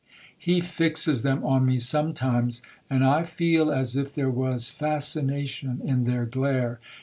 He fixes them on me sometimes, and I feel as if there was fascination in their glare.